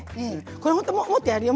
これもっとやるよ。